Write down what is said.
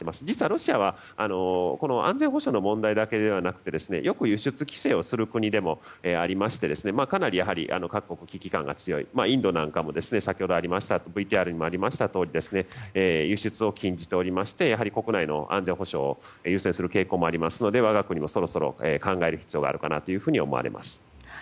ロシアは安全保障の問題だけではなくよく輸出規制をする国でもありましてかなり各国危機感が強いインドなんかも先ほどＶＴＲにありましたとおり輸出を禁じておりまして国内の安全保障を優先する傾向もあるので我が国もそろそろ考える必要があるかと思われます。